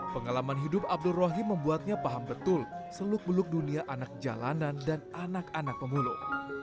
pengalaman hidup abdul rohim membuatnya paham betul seluk beluk dunia anak jalanan dan anak anak pemulung